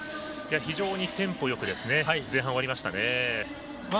非常にテンポよく前半、終わりましたね。